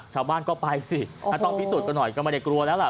ชาวบ้านก็ไปสิต้องพิสูจนกันหน่อยก็ไม่ได้กลัวแล้วล่ะ